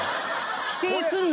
否定すんな！